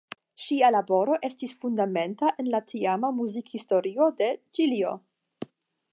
Ŝia laboro estis fundamenta en la tiama muzikhistorio de Ĉilio.